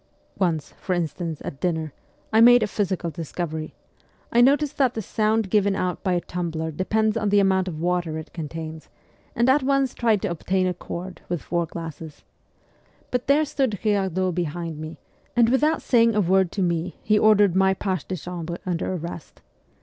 Once, for instance, at dinner, I made a physical discovery : I noticed that the sound given out by a tumbler depends on the amount of water it contains, and at once tried to obtain a chord with four glasses. But there stood Girardot behind me, and without saying a word to me he ordered my page de chambre under arrest.